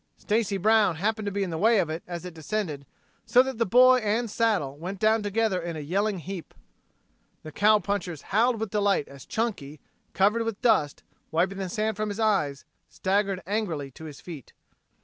Stacy Brown happened to be in the way of it as it descended, so that boy and saddle went down together in a yelling heap. The cowpunchers howled with delight as Chunky, covered with dust, wiping the sand from his eyes, staggered angrily to his feet.